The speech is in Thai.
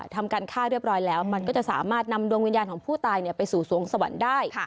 ทำการฆ่าเรียบร้อยแล้วมันก็จะสามารถนำดวงวิญญาณของผู้ตายไปสู่สวงสวรรค์ได้